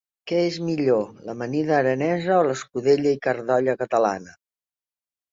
Què és millor, l'amanida aranesa o l'escudella i carn d'olla catalana?